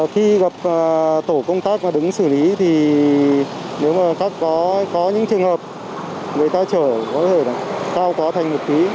khi gặp tổ công tác mà đứng xử lý thì nếu mà có những trường hợp người ta chở có thể là cao có thành một tí